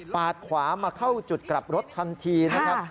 ขวามาเข้าจุดกลับรถทันทีนะครับ